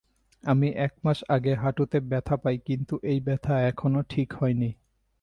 আমি এক মাস আগে হাঁটুতে ব্যথা পাই কিন্তু এই ব্যথা এখনো ঠিক হয় নি।